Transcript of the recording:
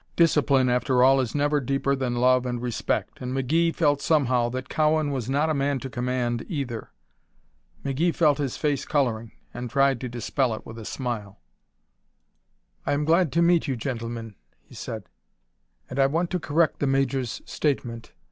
Discipline, after all, is never deeper than love and respect, and McGee felt somehow that Cowan was not a man to command either. McGee felt his face coloring, and tried to dispel it with a smile. "I am glad to meet you, gentlemen," he said, "and I want to correct the Major's statement.